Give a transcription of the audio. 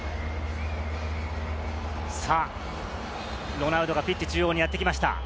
ロナウドがピッチ中央にやってきました。